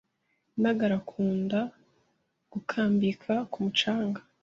Ntagara akunda gukambika ku mucanga.